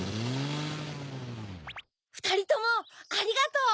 ふたりともありがとう！